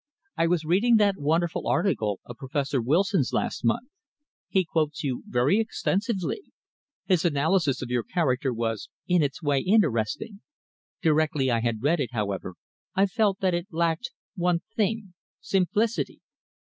I was reading that wonderful article of Professor Wilson's last month. He quotes you very extensively. His analysis of your character was, in its way, interesting. Directly I had read it, however, I felt that it lacked one thing simplicity.